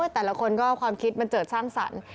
ทุกคนออกความคิดเจือดชอบสั่ง